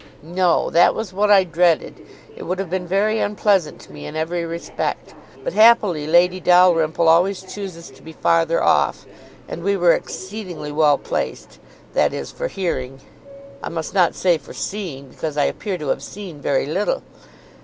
"No, that was what I dreaded. It would have been very unpleasant to me in every respect. But happily Lady Dalrymple always chooses to be farther off; and we were exceedingly well placed, that is, for hearing; I must not say for seeing, because I appear to have seen very little."